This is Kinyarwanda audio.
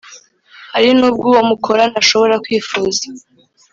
Hari n ubwo uwo mukorana ashobora kwifuza